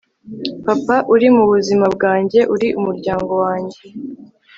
papa, uri mubuzima bwanjye, uri umuryango wanjye